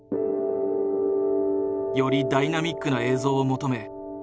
よりダイナミックな映像を求め